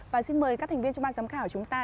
và xin mời các thành viên trong ban giám khảo chúng ta